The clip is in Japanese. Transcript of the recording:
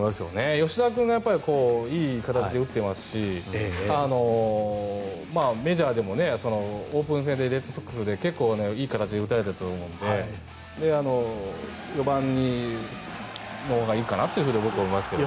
吉田君がいい形で打っていますしメジャーでもオープン戦でレッドソックスで結構いい形で打たれていたと思うので４番のほうがいいかなと僕は思いますけどね。